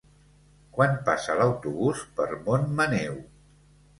Quan passa l'autobús per Montmaneu?